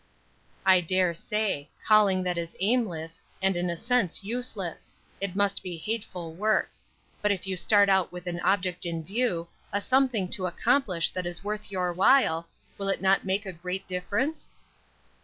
"I dare say; calling that is aimless, and in a sense useless. It must be hateful work. But if you start out with an object in view, a something to accomplish that is worth your while, will it not make a great difference?"